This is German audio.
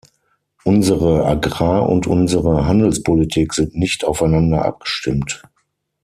Unsere Agrar- und unsere Handelspolitik sind nicht aufeinander abgestimmt.